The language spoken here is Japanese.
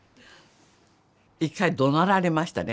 一回どなられましたね